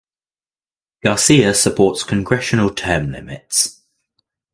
Garcia supports congressional term limits.